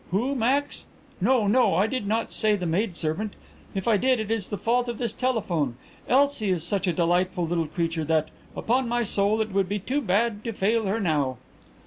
Who, Max? No! No! I did not say the maid servant; if I did it is the fault of this telephone. Elsie is such a delightful little creature that, upon my soul, it would be too bad to fail her now."